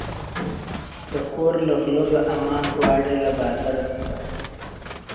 د کور له غله به امان غواړې له باداره څخه..